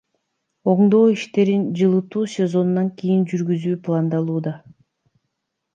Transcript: Оңдоо иштерин жылытуу сезонунан кийин жүргүзүү пландалууда.